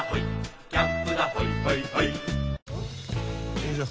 よいしょ。